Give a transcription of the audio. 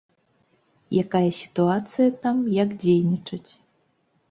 Якая сітуацыя там, як дзейнічаць.